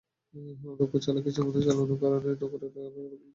অদক্ষ চালক ইচ্ছেমতো চালানোর কারণে নগরের সড়কগুলো ইজিবাইকের দখলে চলে গেছে।